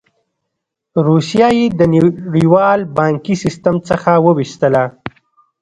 روسیه یې د نړیوال بانکي سیستم څخه وویستله.